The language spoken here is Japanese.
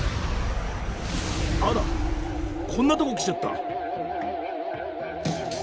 あらこんなとこ来ちゃった！